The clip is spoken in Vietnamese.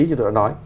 như tôi đã nói